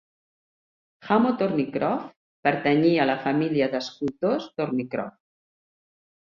Hamo Thornycroft pertanyia a la família d'escultors Thornycroft.